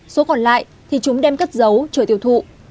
số còn lại thì chúng đem cất giấu rồi tiêu thụ